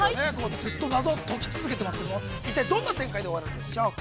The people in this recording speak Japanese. ずっと謎を解き続けてますけども、一体どんな展開で終わるんでしょうか。